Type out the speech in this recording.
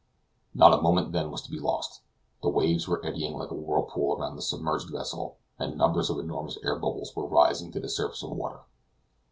Not a moment was then to be lost. The waves were eddying like a whirlpool around the submerged vessel, and numbers of enormous air bubbles were rising to the surface of the water.